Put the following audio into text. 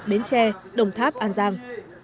bến tre đồng tháp an giang